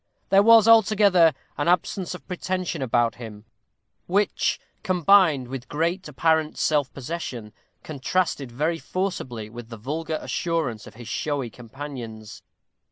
There was, altogether, an absence of pretension about him, which, combined with great apparent self possession, contrasted very forcibly with the vulgar assurance of his showy companions.